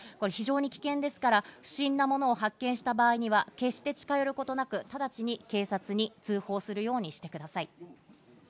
非常に危険ですから、不審なものを発見した場合には決して近寄ることなく、直ちに警察に通報するようにしてください。